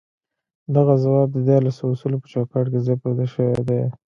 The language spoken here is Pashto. دغه ځواب د ديارلسو اصولو په چوکاټ کې ځای پر ځای شوی دی.